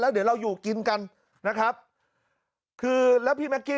เดี๋ยวเราอยู่กินกันนะครับคือแล้วพี่แก๊กกี้